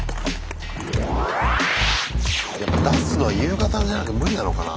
出すのは夕方じゃないと無理なのかな？